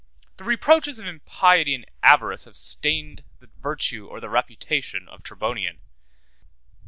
The reproaches of impiety and avarice have stained the virtue or the reputation of Tribonian.